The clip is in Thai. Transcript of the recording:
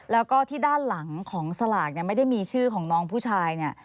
แล้วก็ที่ด้านหลังของสลากเนี่ยไม่ได้มีชื่อของน้องผู้ชายเนี่ย